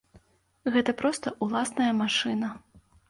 Гэта проста ўласная машына.